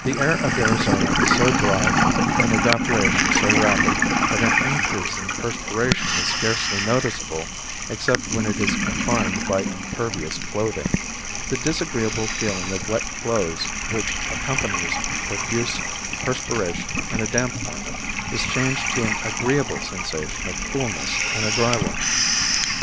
The air of Arizona is so dry and evaporation so rapid that an increase in perspiration is scarcely noticeable except when it is confined by impervious clothing. The disagreeable feeling of wet clothes which accompanies profuse perspiration in a damp climate is changed to an agreeable sensation of coolness in a dry one.